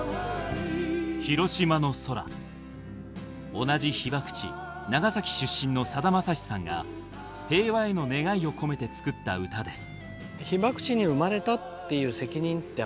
同じ被爆地長崎出身のさだまさしさんが平和への願いを込めて作った歌です。